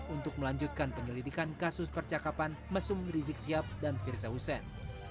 untuk melanjutkan penyelidikan kasus percakapan mesum rizik sihab dan firza hussein